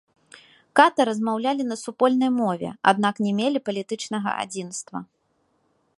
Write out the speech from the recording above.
Ката размаўлялі на супольнай мове, аднак не мелі палітычнага адзінства.